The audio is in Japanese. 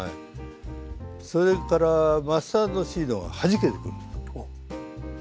それからマスタードシードがはじけてくるんです。